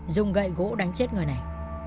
dùng gậy gỗ đánh chết người này